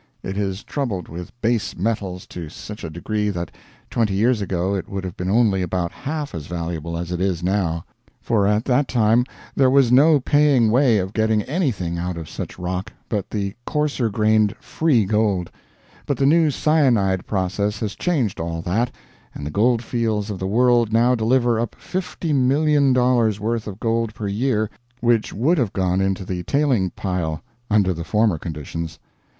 It is troubled with base metals to such a degree that twenty years ago it would have been only about half as valuable as it is now; for at that time there was no paying way of getting anything out of such rock but the coarser grained "free" gold; but the new cyanide process has changed all that, and the gold fields of the world now deliver up fifty million dollars' worth of gold per year which would have gone into the tailing pile under the former conditions.